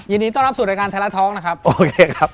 ยินดีต้อนรับสู่รายการไทยรัฐท้องนะครับโอเคครับ